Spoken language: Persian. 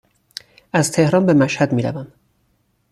از تهران به مشهد می روم